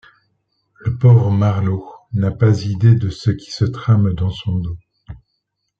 Le pauvre Marleau n'a pas idée de ce qui se trame dans son dos.